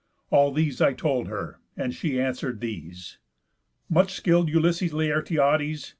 All these I told her, and she answer'd these: "Much skill'd Ulysses Laertiades!